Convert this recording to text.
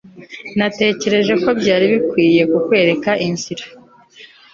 natekereje ko byari bikwiye kukwereka inzira